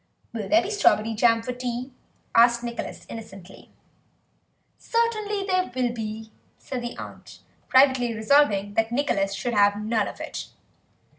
"Will there be strawberry jam for tea?" asked Nicholas innocently. "Certainly there will be," said the aunt, privately resolving that Nicholas should have none of it.